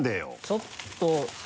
ちょっと。